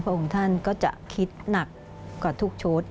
องค์ท่านก็จะคิดหนักกว่าทุกชุด